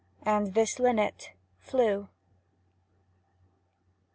And this linnet flew